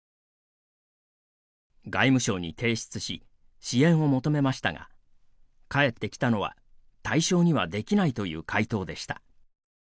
外務省に提出し支援を求めましたが返ってきたのは、対象にはできないという回答でした。